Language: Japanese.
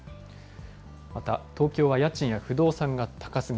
また、東京は家賃や不動産が高すぎ。